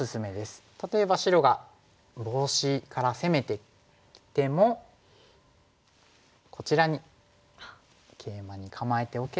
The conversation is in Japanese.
例えば白がボウシから攻めてきてもこちらにケイマに構えておけば。